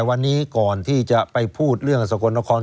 วันนี้ก่อนที่จะไปพูดเรื่องสกลนคร